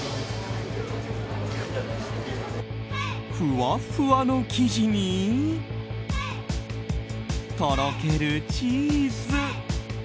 ふわっふわの生地にとろけるチーズ。